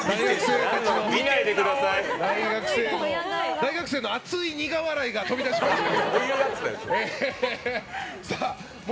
大学生の熱い苦笑いが飛び出しましたけども。